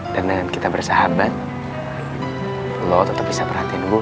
dan dengan kita bersahabat lo tetep bisa perhatiin gue